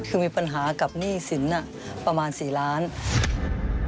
คือมีปัญหากับหนี้สินประมาณ๔ล้านบาท